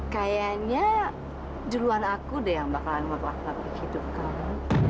kayaknya duluan aku deh yang bakalan memperlakukan hidup kamu